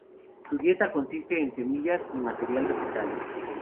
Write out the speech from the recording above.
Su dieta consiste en semillas y material vegetal.